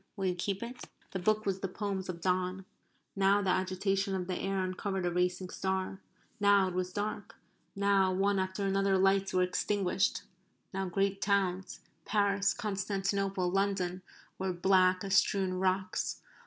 Will you keep it?" (The book was the poems of Donne.) Now the agitation of the air uncovered a racing star. Now it was dark. Now one after another lights were extinguished. Now great towns Paris Constantinople London were black as strewn rocks.